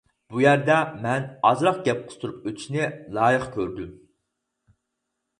بۇ يەردە مەن ئازراق گەپ قىستۇرۇپ ئۆتۈشنى لايىق كۆردۈم.